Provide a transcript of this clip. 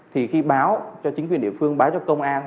thì khi báo cho chính quyền địa phương báo cho công an